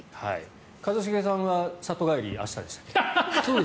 一茂さんが里帰り明日でしたっけ？